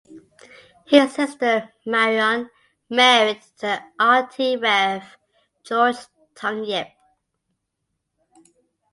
His sister Marion married the Rt Rev George Tung Yep.